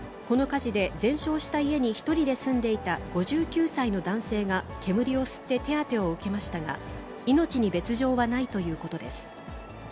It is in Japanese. この火事で全焼した家に１人で住んでいた５９歳の男性が煙を吸って手当てを受けましたが、命に別状はないということです。